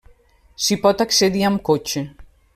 S'hi pot accedir amb cotxe.